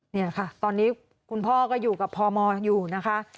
นี่ค่ะตอนนี้คุณพ่อก็อยู่กับพมอยู่นะคะ